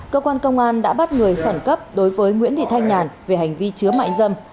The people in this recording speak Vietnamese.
cơ quan công an đã bắt người khẩn cấp đối với nguyễn thị thanh nhàn về hành vi chứa mại dâm